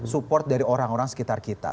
support dari orang orang sekitar kita